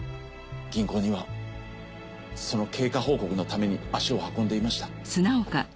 銀行にはその経過報告のために足を運んでいました。